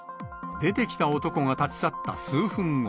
出てきた男が立ち去った数分後。